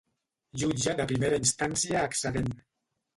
Jutge de Primera Instància excedent.